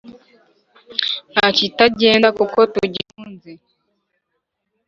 Ntakitagenda kuko tugikunze